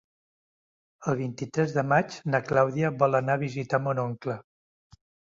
El vint-i-tres de maig na Clàudia vol anar a visitar mon oncle.